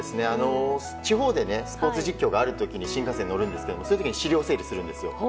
地方でスポーツ実況がある時に新幹線に乗るんですけどその時に資料整理をするんですよ。